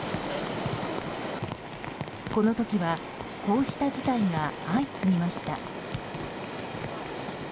この時はこうした事態が相次ぎました。